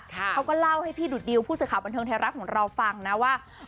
เขาก็เล่าให้พี่ดุดดิวผู้สื่อข่าวบันเทิงไทยรัฐของเราฟังนะว่า